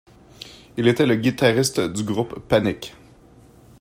Il était le guitariste du groupe Panic!